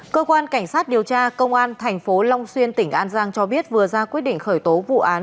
cơ quan cảnh sát điều tra công an tp long xuyên tỉnh an giang cho biết vừa ra quyết định khởi tố vụ án